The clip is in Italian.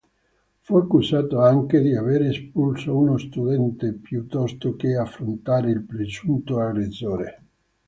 Fu accusato anche di avere espulso uno studente piuttosto che affrontare il presunto aggressore.